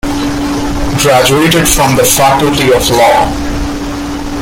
Graduated from the faculty of law.